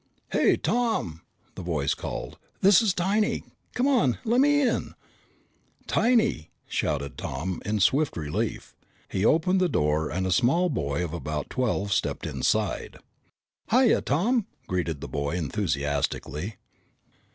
"Hey, Tom!" the voice called. "This is Tiny! Come on, lemme in." "Tiny!" shouted Tom in swift relief. He opened the door and a small boy of about twelve stepped inside. "Hiya, Tom," greeted the boy enthusiastically.